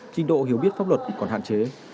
trinh độ hiểu biết pháp luật còn hạn chế